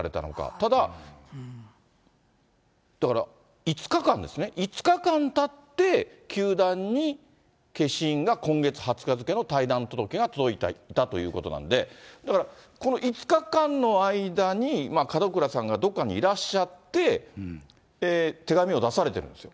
ただ、だから５日間ですね、５日間たって、球団に消印が今月２０日付の退団届が届いていたということなんで、だから、５日間の間に、門倉さんがどこかにいらっしゃって、手紙を出されているんですよ。